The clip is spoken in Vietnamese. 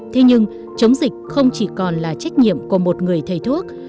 thế nhưng chống dịch không chỉ còn là trách nhiệm của một người thầy thuốc